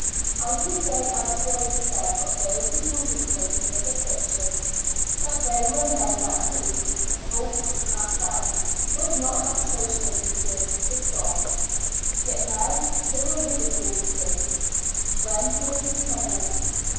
I can say as Job said of those who taunted him in his affliction, that they were men that he, before he was cast down, would not have associated with his dogs ; yet, now they ridiculed him when he was in trouble.